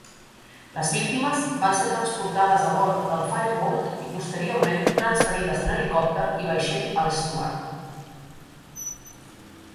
Les víctimes van ser transportades a bord del "Firebolt" i, posteriorment, transferides en helicòpter i vaixell al "Stuart".